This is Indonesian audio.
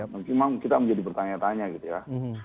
mungkin memang kita menjadi bertanya tanya gitu ya